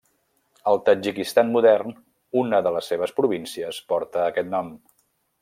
Al Tadjikistan modern una de les seves províncies porta aquest nom.